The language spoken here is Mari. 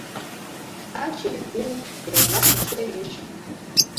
Таче — у, эрла — тоштемеш.